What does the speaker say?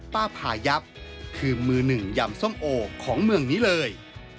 พายับคือมือหนึ่งยำส้มโอของเมืองนี้เลย